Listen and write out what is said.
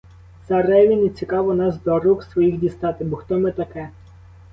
Цареві нецікаво нас до рук своїх дістати, бо хто ми таке?